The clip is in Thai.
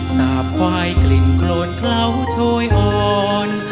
สาบควายกลิ่นโครนเคล้าโชยอ่อน